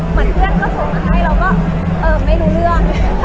เหมือนเพื่อนก็ส่งมาให้เราก็ไม่รู้เรื่อง